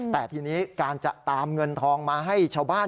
แต่ทีนี้การจะตามเงินทองมาให้ชาวบ้าน